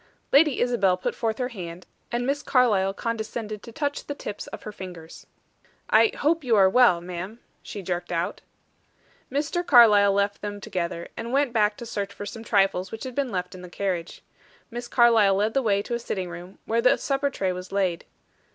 Lady Isabel put forth her hand, and Miss Carlyle condescended to touch the tips of her fingers. "I hope you are well, ma'am," she jerked out. Mr. Carlyle left them together, and went back to search for some trifles which had been left in the carriage. Miss Carlyle led the way to a sitting room, where the supper tray was laid.